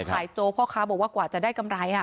ขายโจพ่อค้าบอกว่ากว่าจะได้กำไรอ่ะ